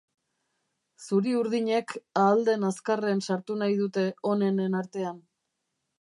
Zuri-urdinek ahal den azkarren sartu nahi dute onenen artean.